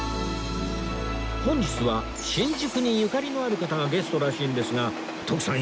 本日は新宿にゆかりのある方がゲストらしいんですが徳さん